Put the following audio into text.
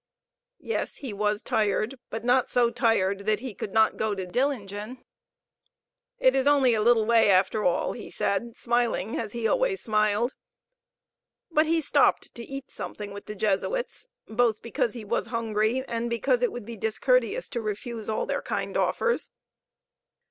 Yes, he was tired, but not so tired that he could not go to Dillingen. It is only a little way, after all," he said, smiling as he always smiled. But he stopped to eat something with the Jesuits, both because he was hungry, and because it would be discourteous to refuse all their kind offers.